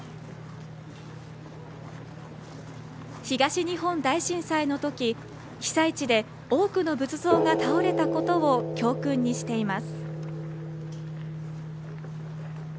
東日本大震災のとき、被災地で多くの仏像が倒れたことを教訓にしています。